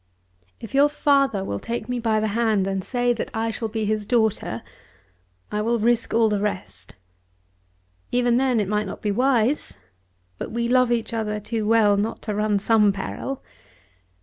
"If your father will take me by the hand and say that I shall be his daughter, I will risk all the rest. Even then it might not be wise; but we love each other too well not to run some peril.